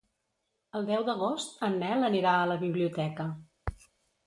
El deu d'agost en Nel anirà a la biblioteca.